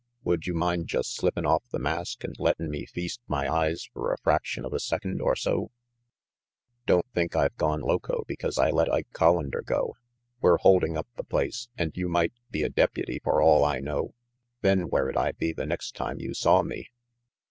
Would you mind just slippin' off the mask and lettin' me feast my eyes fer a fraction of a second or so?" "Don't think I've gone loco because I let Ike Collander go. We're holding up the place and you might be a deputy for all I know. Then where'd I be the next time you saw me?"